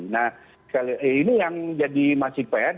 nah ini yang jadi masih pr